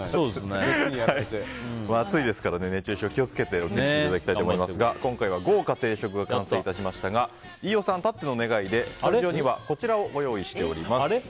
暑いですから熱中症に気を付けてロケをしていただきたいと思いますが今回は豪華定食が完成しましたが飯尾さんたっての願いでスタジオにはこちらをご用意しております。